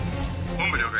本部了解。